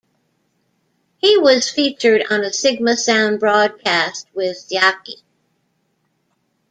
He was featured on a Sigma Sound broadcast with Sciaky.